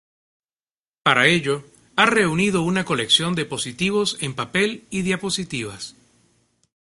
Para ello, ha reunido una colección de positivos en papel y diapositivas.